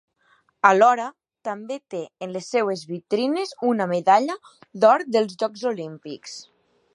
Alhora també té en les seues vitrines una medalla d'or dels Jocs Olímpics.